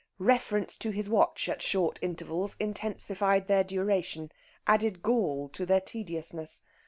Reference to his watch at short intervals intensified their duration, added gall to their tediousness.